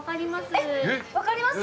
わかります？